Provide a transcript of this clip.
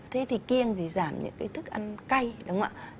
thế thì kiêng gì giảm những cái thức ăn cay đúng không ạ